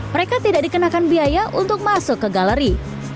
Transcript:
mereka tidak dikenakan biaya untuk masuk ke galeri